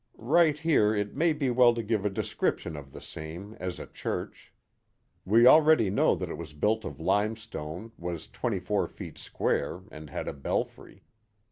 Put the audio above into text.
Right here it may be well to give a description of the same, as a church. We already know that it was built of limestone, was twenty four feet square, and had a belfry.